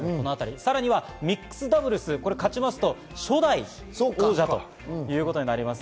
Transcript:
さらにはミックスダブルス勝ちますと初代王者ということになります。